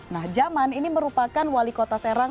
nah jaman ini merupakan wali kota serang